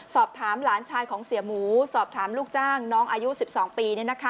สอบถามหลานชายของเสียหมูสอบถามลูกจ้างน้องอายุ๑๒ปี